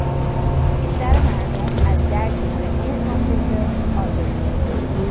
بیشتر مردم از درک ذهنی کامپیوتر عاجزند.